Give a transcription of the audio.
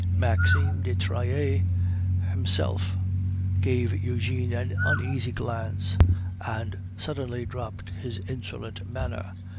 Maxime de Trailles himself gave Eugene an uneasy glance, and suddenly dropped his insolent manner.